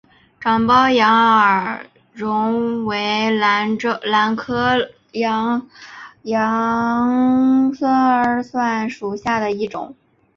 长苞羊耳蒜为兰科羊耳蒜属下的一个种。